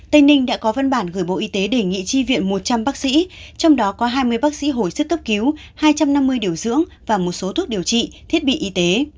tây ninh đã có văn bản gửi bộ y tế đề nghị tri viện một trăm linh bác sĩ trong đó có hai mươi bác sĩ hồi sức cấp cứu hai trăm năm mươi điều dưỡng và một số thuốc điều trị thiết bị y tế